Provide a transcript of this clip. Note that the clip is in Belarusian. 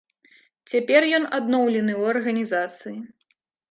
Цяпер ён адноўлены ў арганізацыі.